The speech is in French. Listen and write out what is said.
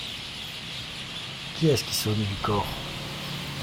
Qui est-ce qui sonne du cor ?…